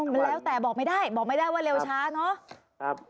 มันแล้วแต่บอกไม่ได้บอกไม่ได้ว่าเร็วช้าเนอะ